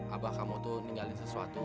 abah kamu tuh ninggalin sesuatu